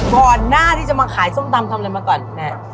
ก่อนหน้าที่จะมาขายส้มตำทำอะไรมาก่อนแม่